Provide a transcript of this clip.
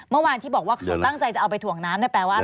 เมื่อวานที่บอกว่าตั้งใจจะเอาไปถ่วงน้ำเนี่ยแปลว่าอะไร